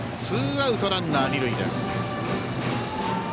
ツーアウトランナー、二塁です。